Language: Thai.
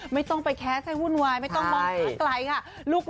ไม่ต้องไปแคสต์ให้วุ่นวายไม่ต้องมองหาไกลค่ะ